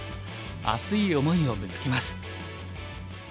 熱い想いをぶつけます。